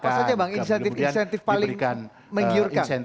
apa saja bang insentif insentif paling menggiurkan